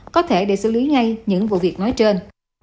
có thể để xử lý ngay những vụ việc nói trên